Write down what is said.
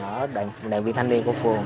ở đoàn viên thanh niên của phường